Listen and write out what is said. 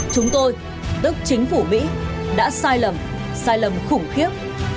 chúng tôi tức chính phủ mỹ đã sai lầm sai lầm khủng khiếp